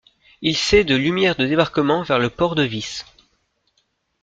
Il set de lumière de débarquement vers le port de Vis.